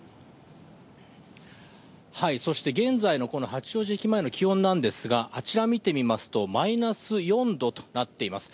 そして現在の八王子駅前の気温なんですが、あちら見てみますと、マイナス４度となっています。